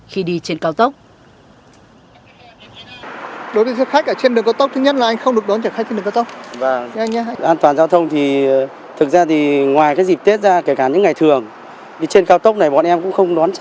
khi đi trên cao tốc